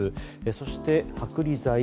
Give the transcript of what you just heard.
そして剥離剤。